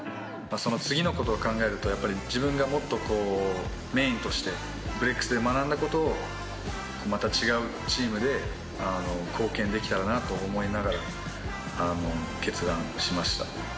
その次の事を考えるとやっぱり自分がもっとこうメインとしてブレックスで学んだ事をまた違うチームで貢献できたらなと思いながら決断しました。